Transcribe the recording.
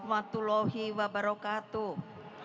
assalamualaikum warahmatullahi wabarakatuh